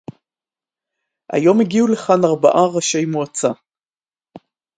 היום הגיעו לכאן ארבעה ראשי מועצה